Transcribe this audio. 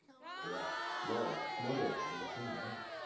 いやもう妻ではありませんねぇ。